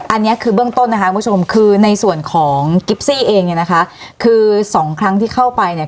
อันนี้คือเบื้องต้นนะคะคุณผู้ชมคือในส่วนของกิฟซี่เองเนี่ยนะคะคือสองครั้งที่เข้าไปเนี่ย